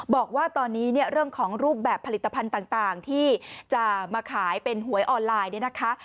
บอกว่าตอนนี้เนี่ยเรื่องของรูปแบบผลิตภัณฑ์ต่างที่จะมาขายเป็นหวยออนไลน์เนี่ยนะคะ